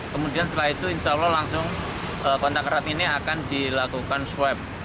kemudian setelah itu insya allah langsung kontak erat ini akan dilakukan swab